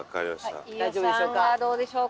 飯尾さんはどうでしょうか？